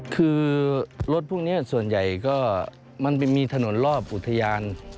คือรถพวกนี้ส่วนใหญ่ก็มันไปมีถนนรอบอุทยาน